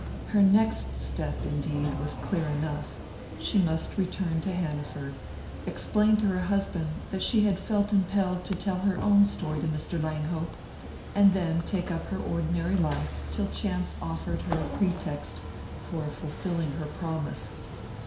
Her next step, indeed, was clear enough: she must return to Hanaford, explain to her husband that she had felt impelled to tell her own story to Mr. Langhope, and then take up her ordinary life till chance offered her a pretext for fulfilling her promise.